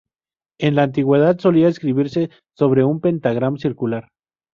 En la antigüedad solía escribirse sobre un pentagrama circular.